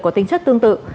có tính chất tương tự